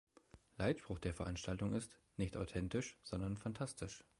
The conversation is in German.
Leitspruch der Veranstaltung ist „nicht authentisch, sondern fantastisch“.